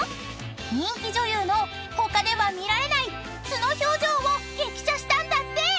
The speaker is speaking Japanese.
［人気女優の他では見られない素の表情を激写したんだって！］